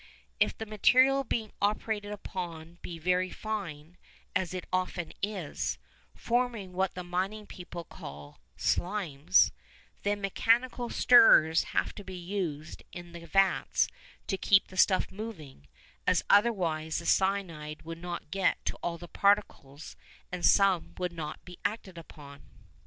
If the material being operated upon be very fine, as it often is, forming what the mining people call "slimes," then mechanical stirrers have to be used in the vats to keep the stuff moving, as otherwise the cyanide would not get to all the particles and some would not be acted upon.